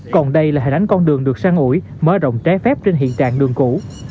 còn đây là hình ảnh con đường được sang ủi mở rộng tré phép trên hiện trạng đường cũ